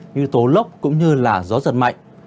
như tố lốc cũng như gió giật mạnh